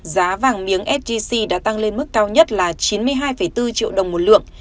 giá vàng miếng sgc đã tăng lên mức cao nhất là chín mươi hai bốn triệu đồng một lượng